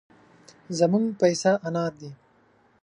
زموږ پيسه انار دي.